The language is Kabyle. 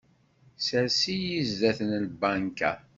Sers-iyi zzat n lbanka.